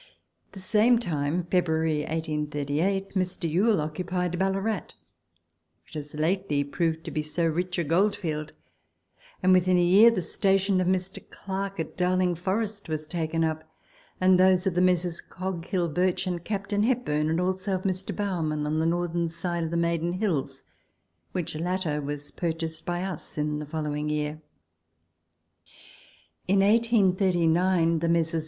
At the same time (February 1838) Mr. Yuille occupied Ballarat, which has lately proved to be so rich a gold field, and within the year the station of Mr. Clarke at Bowling Forest was taken up, and those of the Messrs. Coghill, Birch, and Capt. Hepburn, and also of Mr. Bowerman on the northern side of the Maiden Hills, which latter was purchased by us in the following year. In 1839 the Messrs.